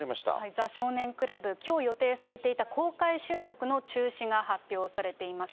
ザ少年倶楽部、きょう予定されていた公開収録の中止が発表されています。